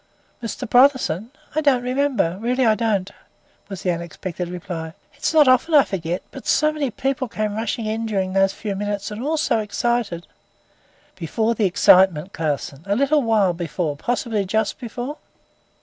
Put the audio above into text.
"Mr. Brotherson! I don't remember, really I don't," was the unexpected reply. "It's not often I forget. But so many people came rushing in during those few minutes, and all so excited " "Before the excitement, Clausen. A little while before, possibly just before."